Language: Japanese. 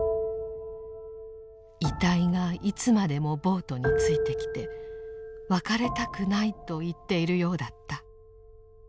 「遺体がいつまでもボートについてきて別れたくないと言っているようだった」。